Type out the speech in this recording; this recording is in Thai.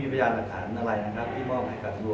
ก็เอ่อเล่าบ้างครับเล่าบ้างให้ฝากบ้างเพื่อเป็นแนวทางนะครับ